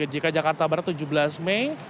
jika jakarta barat tujuh belas mei